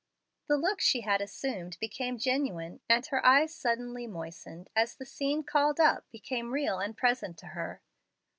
The look she had assumed became genuine, and her eyes suddenly moistened as the scene called up became real and present to her.